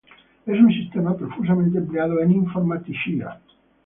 Es un sistema profusamente empleado en informática.